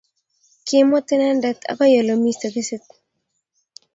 ki imut inendet akoi ole mi tekisit